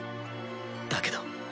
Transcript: だけど。